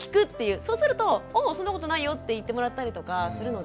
そうすると「ああそんなことないよ」って言ってもらったりとかするので。